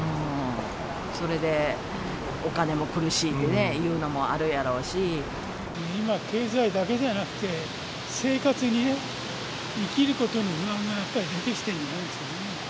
それでお金も苦しいってね、今、経済だけじゃなくて、生活にね、生きることに不安がやっぱり出てきてるんじゃないですかね。